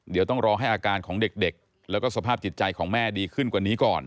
เดี๋ยวต้องรอให้อาการของเด็กแล้วก็สภาพจิตใจของแม่ดีขึ้นกว่านี้ก่อน